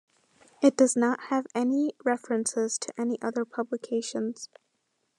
It does not have any references to any other publications.